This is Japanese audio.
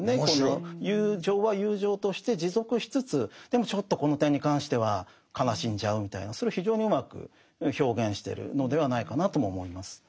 友情は友情として持続しつつでもちょっとこの点に関しては悲しんじゃうみたいなそれを非常にうまく表現してるのではないかなとも思います。